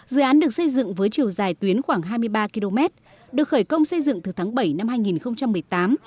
dự án được xây dựng với chiều dài tuyến khoảng hai mươi ba km được khởi công xây dựng từ tháng bảy năm hai nghìn một mươi tám